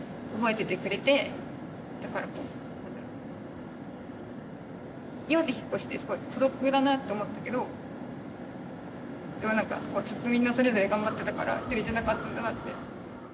だから岩手引っ越してすごい孤独だなって思ったけどでもなんかずっとみんなそれぞれ頑張ってたからひとりじゃなかったんだなって。